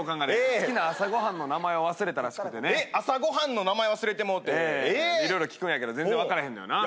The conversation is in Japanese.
好きな朝ごはんの名前を忘れたらしくてね朝ごはんの名前忘れてもうてええっ色々聞くんやけど全然分からへんのよな